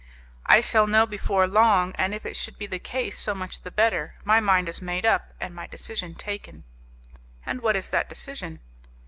"I shall know before long, and if it should be the case so much the better. My mind is made up, and my decision taken." "And what is that decision?"